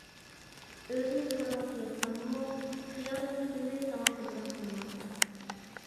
ئۆزۈم كارىۋاتتا ياتساممۇ، خىيالىم پۈتۈنلەي ساڭا ھەمراھ بولماقتا.